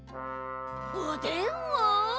おでんを。